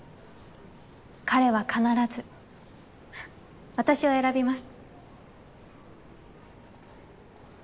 彼は必ず私を選びます。